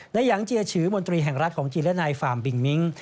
ยังเจียฉือมนตรีแห่งรัฐของจีนและนายฟาร์มบิงมิ้ง